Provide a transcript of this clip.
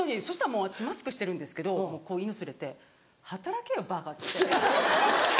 私マスクしてるんですけど犬連れて「働けよバカ」っつって。